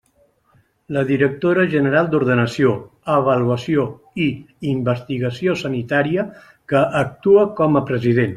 La directora general d'Ordenació, Avaluació i Investigació Sanitària, que actua com a president.